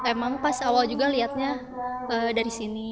emang pas awal juga lihatnya dari sini